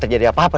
mama dia jatuh